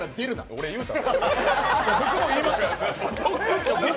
俺、言うた。